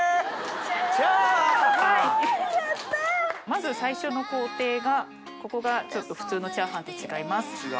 まず最初の工程がここがちょっと普通のチャーハンと違います。